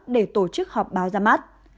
để tổ chức họp báo ra mắt